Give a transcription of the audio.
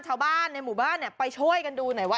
ชาวบ้านในหมู่บ้านไปช่วยกันดูหน่อยว่า